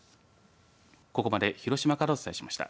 ここまで広島からお伝えしました。